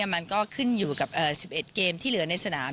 มันก็ขึ้นอยู่กับ๑๑เกมที่เหลือในสนาม